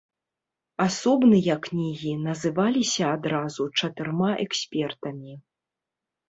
Асобныя кнігі называліся адразу чатырма экспертамі.